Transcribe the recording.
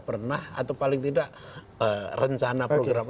pernah atau paling tidak rencana program